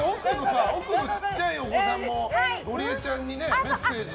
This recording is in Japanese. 奥の、小さいお子さんもゴリエちゃんにメッセージ。